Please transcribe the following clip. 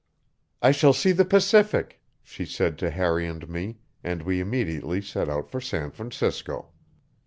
"I shall see the Pacific," she said to Harry and me, and we immediately set out for San Francisco.